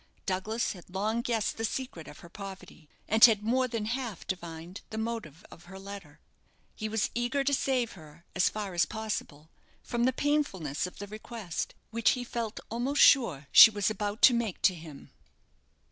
Douglas had long guessed the secret of her poverty, and had more than half divined the motive of her letter. He was eager to save her, as far as possible, from the painfulness of the request which he felt almost sure she was about to make to him.